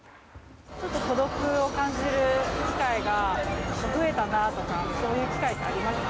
孤独を感じる機会が増えたなとかそういう機会ってありますか。